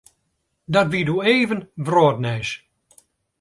Dat wie doe even wrâldnijs.